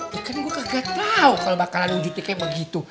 ya kan gue kagak tahu kalau bakalan wujudnya kayak begitu